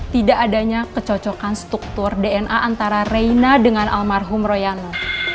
tidak adanya kecocokan struktur dna antara reina dengan almarhum royana